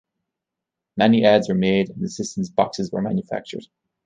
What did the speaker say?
Many ads were made, and the system's boxes were manufactured.